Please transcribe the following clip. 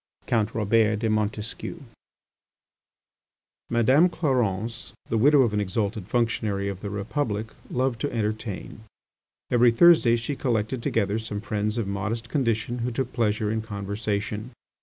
Count Robert de Montesquiou. I. MADAME CLARENCE'S DRAWING ROOM Madame Clarence, the widow of an exalted functionary of the Republic, loved to entertain. Every Thursday she collected together some friends of modest condition who took pleasure in conversation.